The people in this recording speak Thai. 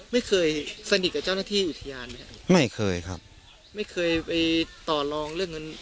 ไม่เคยสนิทกับเจ้าหน้าที่อุทยานไหมครับไม่เคยครับไม่เคยไปต่อรองเรื่องเงิน